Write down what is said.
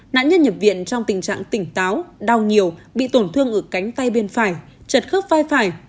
nạn nhân nhập viện trong tình trạng tỉnh táo đau nhiều bị tổn thương ở cánh tay bên phải chật khớp vai phải